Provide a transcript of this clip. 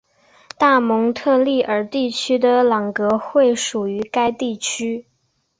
大蒙特利尔地区的朗格惠属于该地区。